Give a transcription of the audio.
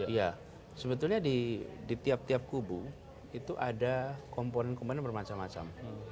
iya sebetulnya di tiap tiap kubu itu ada komponen komponen bermacam macam